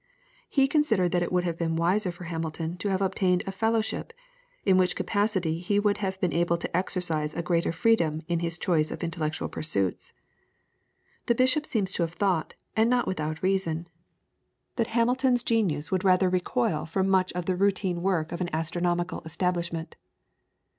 He considered that it would have been wiser for Hamilton to have obtained a Fellowship, in which capacity he would have been able to exercise a greater freedom in his choice of intellectual pursuits. The bishop seems to have thought, and not without reason, that Hamilton's genius would rather recoil from much of the routine work of an astronomical establishment.